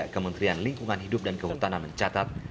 kementerian lingkungan hidup dan kehutanan mencatat